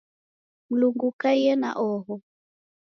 Mlungu ukaiye na oho.